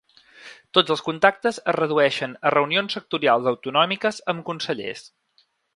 Tots els contactes es redueixen a reunions sectorials autonòmiques amb consellers.